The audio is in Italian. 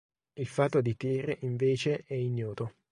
Il fato di Tyr, invece, è ignoto.